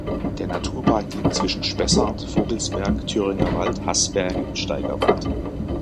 Der Naturpark liegt zwischen Spessart, Vogelsberg, Thüringer Wald, Haßberge und Steigerwald.